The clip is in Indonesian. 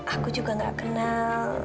aku juga gak kenal